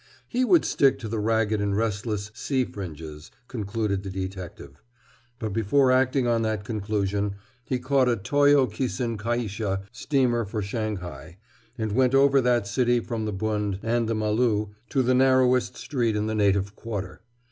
He would stick to the ragged and restless sea fringes, concluded the detective. But before acting on that conclusion he caught a Toyo Kisen Kaisha steamer for Shanghai, and went over that city from the Bund and the Maloo to the narrowest street in the native quarter.